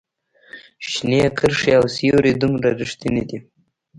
شنه کرښې او سورې دومره ریښتیني دي